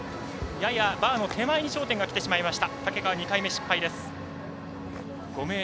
ややバーの手前に頂点がきてしまいました。